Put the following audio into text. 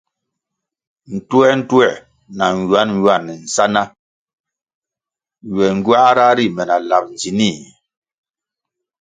Ntuer-ntuer na nwan-nwan sa ná ywe ngywáhra ri me na lap ndzinih.